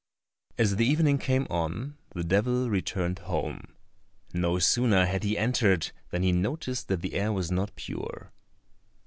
As the evening came on, the devil returned home. No sooner had he entered than he noticed that the air was not pure.